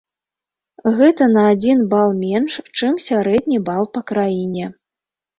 Гэта на адзін бал менш, чым сярэдні бал па краіне!